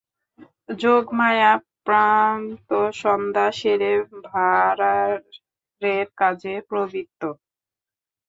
যোগমায়া প্রাতঃসন্ধ্যা সেরে ভাঁড়ারের কাজে প্রবৃত্ত।